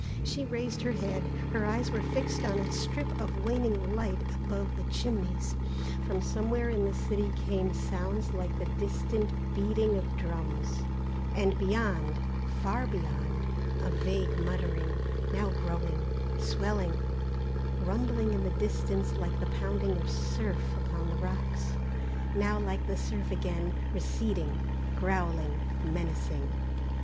She raised her head. Her eyes were fixed on a strip of waning light above the chimneys. From somewhere in the city came sounds like the distant beating of drums, and beyond, far beyond, a vague muttering, now growing, swelling, rumbling in the distance like the pounding of surf upon the rocks, now like the surf again, receding, growling, menacing.